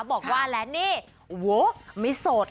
บอกว่าแล้วนี่โอ้โหไม่โสด